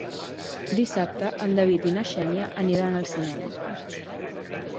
Dissabte en David i na Xènia aniran al cinema.